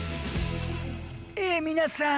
え皆さん